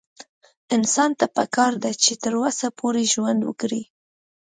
انسان ته پکار ده چې تر وسه پورې ژوند وکړي